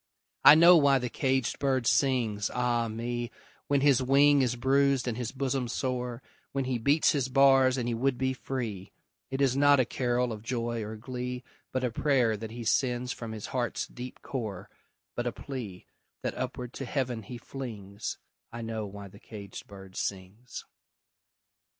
I know why the caged bird sings, ah me, When his wing is bruised and his bosom sore, When he beats his bars and he would be free; It is not a carol of joy or glee, But a prayer that he sends from his heart's deep core, But a plea, that upward to Heaven he flings I know why the caged bird sings!